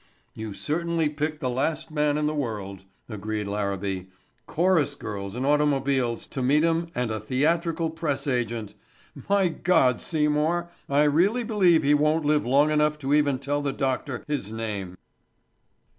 "You certainly picked the last man in the world," agreed Larabee. "Chorus girls and automobiles to meet 'em and a theatrical press agent. My God, Seymour, I really believe he won't live long enough to even tell the doctor his name."